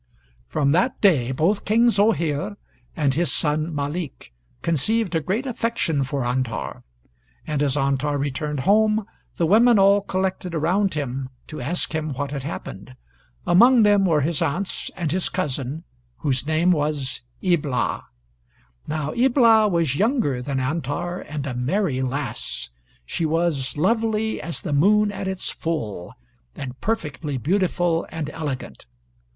"] From that day both King Zoheir and his son Malik conceived a great affection for Antar, and as Antar returned home, the women all collected around him to ask him what had happened; among them were his aunts and his cousin, whose name was Ibla. Now Ibla was younger than Antar, and a merry lass. She was lovely as the moon at its full; and perfectly beautiful and elegant....